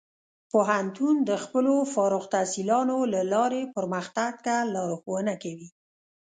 پوهنتون د خپلو فارغ التحصیلانو له لارې پرمختګ ته لارښوونه کوي.